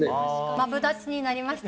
マブダチになりました？